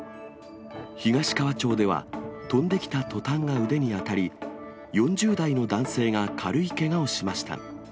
東川町では、飛んできたトタンが腕に当たり、４０代の男性が軽いけがをしました。